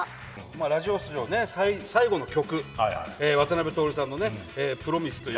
ラジオ最後の曲、渡辺徹さんのプロミスという。